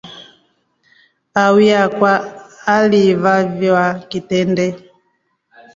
Auye akwa alivaiwa kitendee.